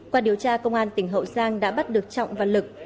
qua điều tra công an tỉnh hậu giang đã bắt được trọng và lực